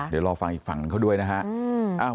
เดี๋ยวรอฟังอีกฝั่งหนึ่งเขาด้วยนะฮะ